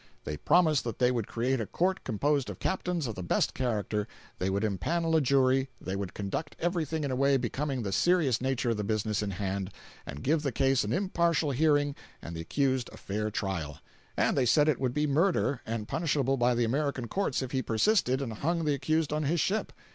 They promised that they would create a court composed of captains of the best character; they would empanel a jury; they would conduct everything in a way becoming the serious nature of the business in hand, and give the case an impartial hearing and the accused a fair trial. And they said it would be murder, and punishable by the American courts if he persisted and hung the accused on his ship.